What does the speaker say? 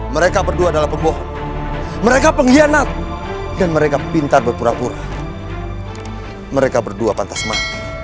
mereka berdua adalah pembohong mereka pengkhianat dan mereka pintar berpura pura mereka berdua pantas marah